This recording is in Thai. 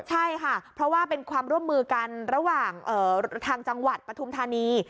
ใช่ค่ะเพราะว่าเป็นความร่วมมือกันระหว่างทางจังหวัดปฐุมธานี